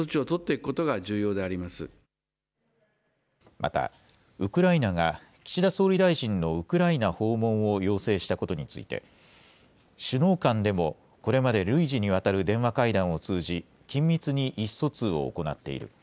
また、ウクライナが岸田総理大臣のウクライナ訪問を要請したことについて、首脳間でもこれまで累次にわたる電話会談を通じ、緊密に意思疎通を行っている。